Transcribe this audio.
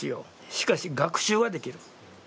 しかし、学習はできる。